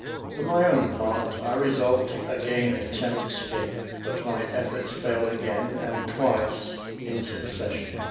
For my own part, I resolved to again attempt escape, but my efforts failed again, and twice in succession.